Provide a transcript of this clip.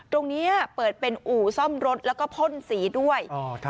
ตรงนี้เปิดเป็นอู่ซ่อมรถแล้วก็พ่นสีด้วย